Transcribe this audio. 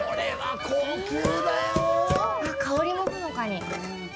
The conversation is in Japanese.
あっ、香りもほのかに。